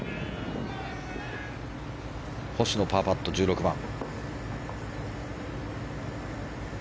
星野、パーパット、１６番。